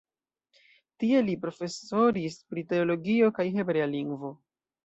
Tie li profesoris pri teologio kaj hebrea lingvo.